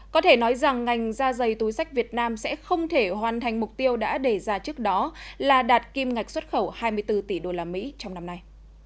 có thể nói rằng ngành da dày túi sách việt nam sẽ không thể hoàn thành mục tiêu đã đề ra trước đó là đạt kim ngạch xuất khẩu hai mươi bốn tỷ usd trong năm nay